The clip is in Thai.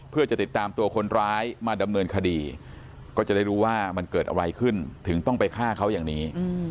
เพื่อจะติดตามตัวคนร้ายมาดำเนินคดีก็จะได้รู้ว่ามันเกิดอะไรขึ้นถึงต้องไปฆ่าเขาอย่างนี้